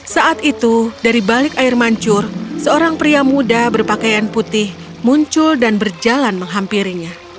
saat itu dari balik air mancur seorang pria muda berpakaian putih muncul dan berjalan menghampirinya